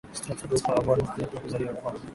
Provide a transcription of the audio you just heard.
Stratford upon Avon mahali pa kuzaliwa kwa